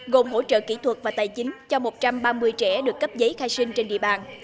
gồm hỗ trợ kỹ thuật và tài chính cho một trăm ba mươi trẻ được cấp giấy khai sinh trên địa bàn